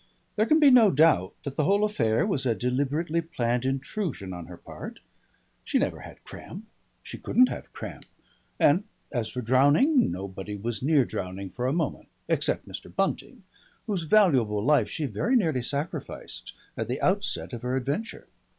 There can be no doubt that the whole affair was a deliberately planned intrusion upon her part. She never had cramp, she couldn't have cramp, and as for drowning, nobody was near drowning for a moment except Mr. Bunting, whose valuable life she very nearly sacrificed at the outset of her adventure.